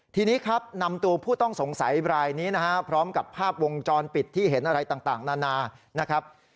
ทีนี้ครับนำตัวผู้ต้องสงสัยรายนี้นะฮะพร้อมกับภาพวงจรปิดที่เห็นอะไรต่างนานานะครับ